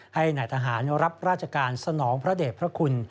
ให้นายทหารรับราชการสนองพระเด็จพระคุณ